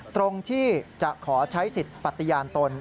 ตรงที่จะขอใช้สิทธิ์ปฏิญาณตน